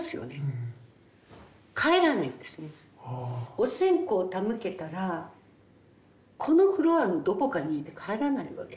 お線香を手向けたらこのフロアのどこかにいて帰らないわけですね。